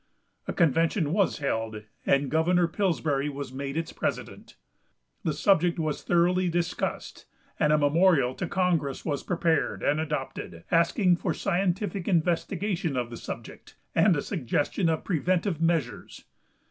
A convention was held, and Governor Pillsbury was made its president. The subject was thoroughly discussed, and a memorial to congress was prepared and adopted, asking for scientific investigation of the subject, and a suggestion of preventive measures.